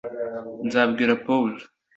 nzabwira pawulo